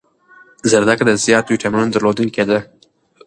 زردکه د زیاتو ویټامینونو درلودنکی ده